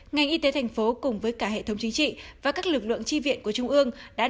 ngành y tế thành phố cùng với cả hệ thống chính trị và các lực lượng tri viện của trung ương